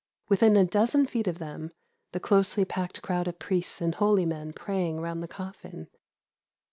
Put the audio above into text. Within a dozen feet of them, the closely packed crowd of priests and holy men praying round the coffin.